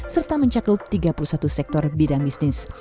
serta mencakup tiga puluh satu sektor bidang bisnis